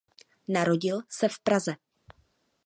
Narodil se v Praze.